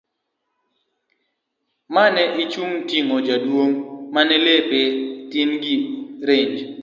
ma chune gi ting'o jaduong' mane lepe tin gi range